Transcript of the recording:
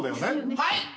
はい！